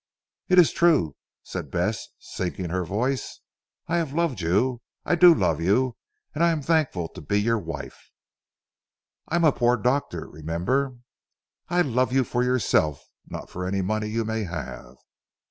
"It is true," said Bess sinking her voice. "I have loved you. I do love you and I am thankful to be your wife." "I am a poor doctor remember." "I love you for yourself, not for any money you may have."